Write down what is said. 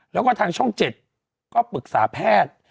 แล้วก็ทางช่อง๗ก็ปรึกษาแพทย์